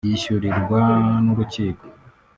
yishyurirwa n’urukiko